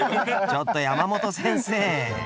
ちょっと山本先生。